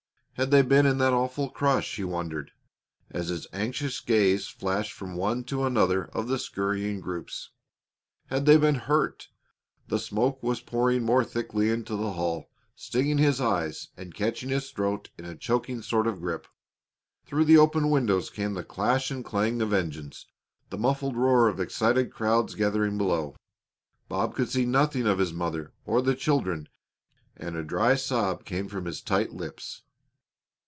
Had they been in that awful crush? he wondered, as his anxious gaze flashed from one to another of the scurrying groups. Had they been hurt? The smoke was pouring more thickly into the hall, stinging his eyes and catching his throat in a choking sort of grip. Through the open windows came the clash and clang of engines, the muffled roar of excited crowds gathering below. Bob could see nothing of his mother or the children, and a dry sob came from his tight lips.